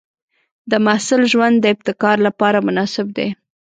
د محصل ژوند د ابتکار لپاره مناسب دی.